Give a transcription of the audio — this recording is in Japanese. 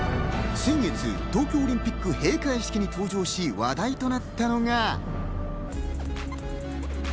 先月、東京オリンピック閉会式に登場し話題になったのが。